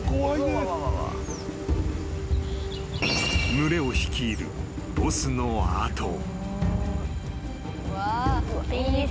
［群れを率いるボスの後を］